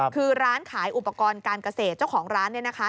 คือร้านขายอุปกรณ์การเกษตรเจ้าของร้านเนี่ยนะคะ